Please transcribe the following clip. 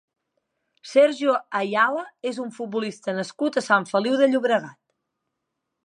Sergio Ayala és un futbolista nascut a Sant Feliu de Llobregat.